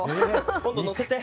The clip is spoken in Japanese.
今度乗せて。